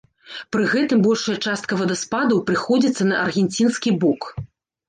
Пры гэтым большая частка вадаспадаў прыходзіцца на аргенцінскі бок.